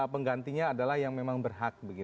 penggantinya adalah yang memang berhak